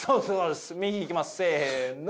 右いきますせの。